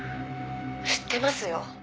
「知ってますよ」